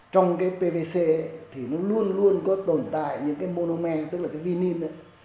trong cái pvc ấy thì nó luôn luôn có tồn tại những cái monomer tức là cái vinil ấy